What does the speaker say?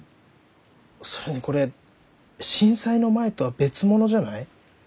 それにこれ震災の前とは別物じゃない？